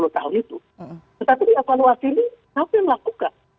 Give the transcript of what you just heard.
tapi di evaluasi ini apa yang dilakukan